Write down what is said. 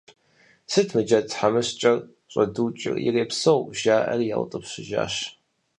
– Сыт мы джэд тхьэмыщкӀэр щӀэдукӀынур, ирепсэу, – жаӀэри яутӀыпщыжащ.